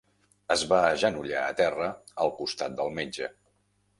Es va agenollar a terra al costat del metge.